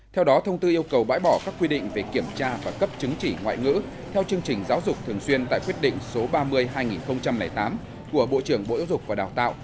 theo đó thông tư yêu cầu bãi bỏ các quy định về kiểm tra và cấp chứng chỉ ngoại ngữ theo chương trình giáo dục thường xuyên tại quyết định số ba mươi hai nghìn tám của bộ trưởng bộ giáo dục và đào tạo